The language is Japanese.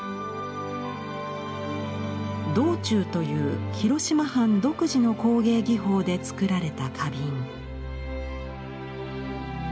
銅蟲という広島藩独自の工芸技法で作られた花瓶。